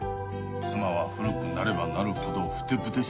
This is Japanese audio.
妻は古くなればなるほどふてぶてしくなるしな。